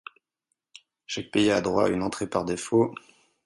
Chaque pays a droit à une entrée par défaut.